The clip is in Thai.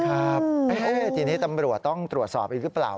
ครับทีนี้ตำรวจต้องตรวจสอบอีกหรือเปล่า